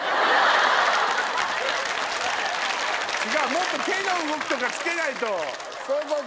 もっと手の動きとかつけないとそうそう！